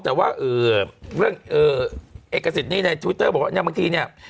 แต่ว่าเรื่องเอกสิทธิ์นี้ในทวิตเตอร์บอกว่าเนี่ยบางทีเนี่ย